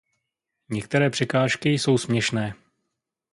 Některé překážky jsou směšné.